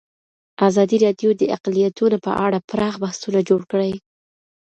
ازادي راډیو د اقلیتونه په اړه پراخ بحثونه جوړ کړي.